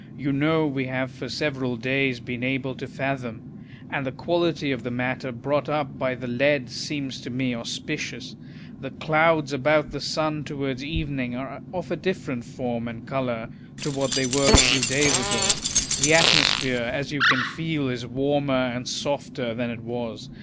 You know we have for several days been able to fathom ; and the quality of the matter brought up by the lead seems to me auspicious. The clouds about the sun towards evening are of a different form and colour to what they were a few days ago. The atmosphere, as you can feel, is warmer and softer than it was.